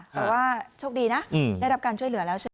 แต่ว่าโชคดีนะได้รับการช่วยเหลือแล้วใช่ไหม